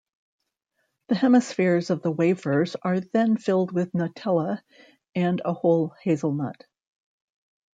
The hemispheres of the wafers are then filled with Nutella and a whole hazelnut.